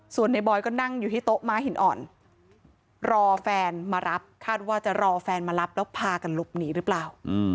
ส่วนในบอยก็นั่งอยู่ที่โต๊ะม้าหินอ่อนรอแฟนมารับคาดว่าจะรอแฟนมารับแล้วพากันหลบหนีหรือเปล่า